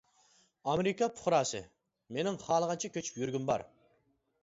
ئامېرىكا پۇقراسى: مېنىڭ خالىغانچە كۆچۈپ يۈرگۈم بار.